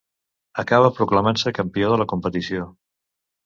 Acaba proclamant-se campió de la competició.